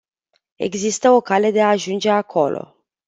Există o cale de a ajunge acolo.